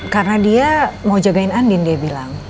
karena dia mau jagain andin dia bilang